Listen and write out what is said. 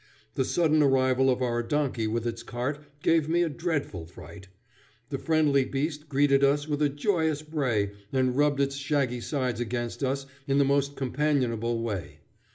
The sudden arrival of our donkey with its cart gave me a dreadful fright. The friendly beast greeted us with a joyous bray and rubbed its shaggy sides against us in the most companionable way.